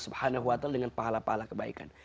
subhanahu wa ta'ala dengan pahala pahala kebaikan